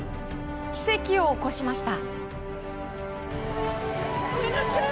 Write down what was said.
奇跡を起こしました。